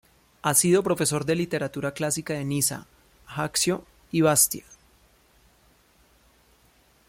Ha sido profesor de literatura clásica en Niza, Ajaccio y Bastia.